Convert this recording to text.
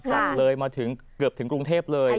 จัดเลยมาถึงเกือบถึงกรุงเทพเลย